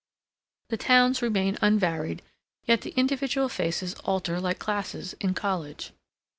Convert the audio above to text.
The towns remain unvaried, yet the individual faces alter like classes in college.